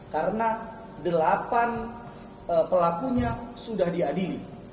karena delapan pelakunya sudah diadili